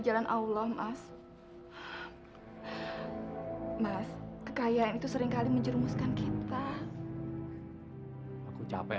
ya allah tapi di mana nilai kemanusiaan kamu mas